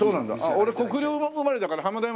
俺国領の生まれだから浜田山